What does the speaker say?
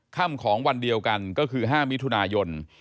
ค่ำของวันเดียวกันก็คือ๕มิถุนายน